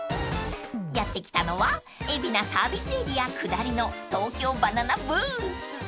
［やって来たのは海老名サービスエリア下りの東京ばな奈ブース］